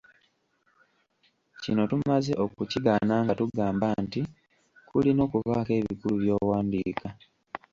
Kino tumaze okukigaana nga tugamba nti kulina okubaako ebikulu by'owandiika.